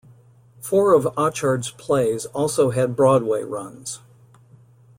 Four of Achard's plays also had Broadway runs.